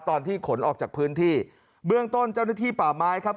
ตอนที่ขนออกจากพื้นที่เบื้องต้นเจ้าหน้าที่ป่าไม้ครับ